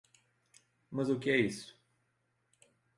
Mas o que é isso?